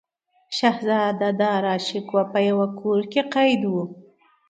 شهزاده داراشکوه په یوه کور کې قید و.